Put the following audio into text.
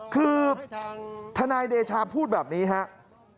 คือทนายเดชาพูดแบบนี้ครับ